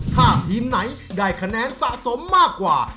ถ้าทีมไหนได้คะแนนสะสมมากกว่า